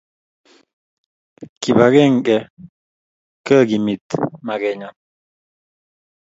Kipagenge kekimit maket nyo